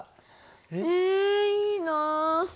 えいいな。